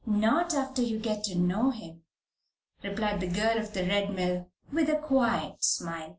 "Not after you get to know him," replied the girl of the Red Mill, with a quiet smile.